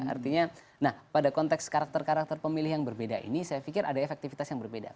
artinya nah pada konteks karakter karakter pemilih yang berbeda ini saya pikir ada efektivitas yang berbeda